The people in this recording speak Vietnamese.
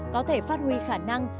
có thể phát huy khả năng